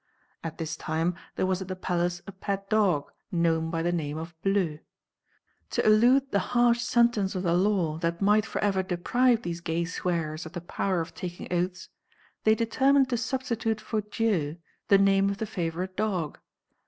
At this time there was at the palace a pet dog, known by the name of Bleu. To elude the harsh sentence of the law that might for ever deprive these gay swearers of the power of taking oaths, they determine to substitute for dieu the name of the favourite dog.